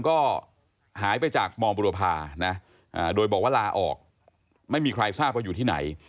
ก็หายไปจากมบุรพานะโดยบอกว่าลาออกไม่มีใครทราบว่าอยู่ที่ไหน